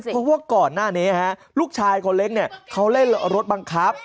เพราะว่าก่อนหน้านี้ลูกชายคนเล็กเนี่ยเขาเล่นรถบังคับ